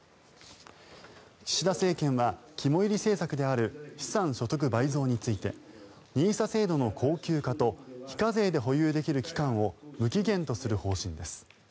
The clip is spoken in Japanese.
岸田政権は肝煎り政策である資産所得倍増についてＮＩＳＡ制度の恒久化と非課税で保有できる期間を無期限とする方針です。